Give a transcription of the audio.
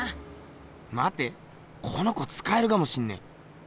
まてこの子つかえるかもしんねえ。